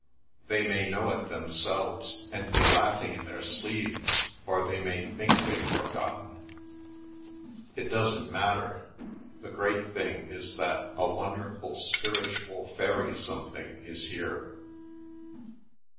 They may know it themselves, and be laughing in their sleeves, or they may think they've forgotten. It doesn't matter — the great thing is that a wonderful spiritual fairy something is here."